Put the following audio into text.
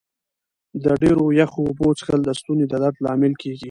د ډېرو یخو اوبو څښل د ستوني د درد لامل کېږي.